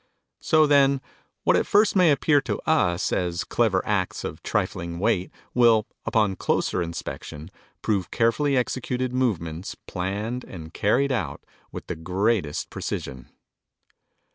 So then, what at first may appear to us as clever acts of trifling weight will, upon closer inspection, prove carefully executed movements planned and carried out with the greatest precision.